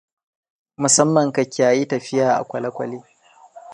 musamman ka kiyayi tafiya a kwale-kwale.